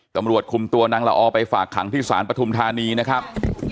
ตำรวจคุมตัวนางละออไปฝากขังที่ศาลปฐุมธานีนะครับ